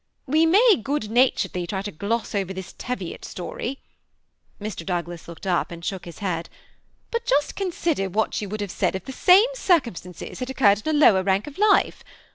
We may good naturedly try to jgloss over this Teviot story." (Mr. Douglas looked up, and shook his head.) <^ But just consider what you would have said if the same circumstances had occurred in a lower rank of life.